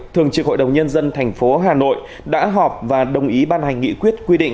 thường trực hội đồng nhân dân thành phố hà nội đã họp và đồng ý ban hành nghị quyết quy định